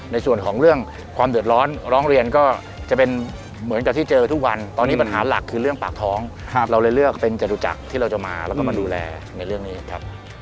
ในส่วนของเรื่องความเดือดร้อนร้องเรียนก็จะเป็นเหมือนกับที่เจอทุกวันตอนนี้ปัญหาหลักคือเรื่องปากท้องเราเลยเลือกเป็นจตุจักรที่เราจะมาแล้วก็มาดูแลในเรื่องนี้ครับ